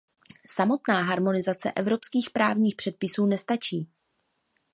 Samotná harmonizace evropských právních předpisů nestačí.